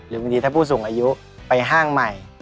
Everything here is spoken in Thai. บางทีถ้าผู้สูงอายุไปห้างใหม่